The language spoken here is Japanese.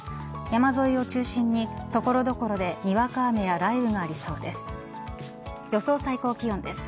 山沿いを中心に所々でにわか雨や雷雨がありそうです。